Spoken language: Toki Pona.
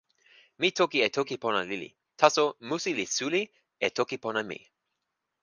mi toki e toki pona lili, taso musi li suli e toki pona mi.